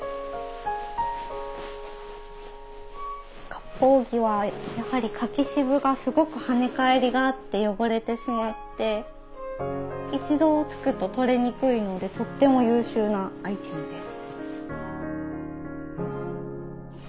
かっぽう着はやはり柿渋がすごく跳ね返りがあって汚れてしまって一度つくと取れにくいのでとっても優秀なアイテムです。